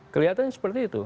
kelihatannya seperti itu